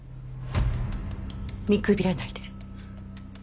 見くびらないで。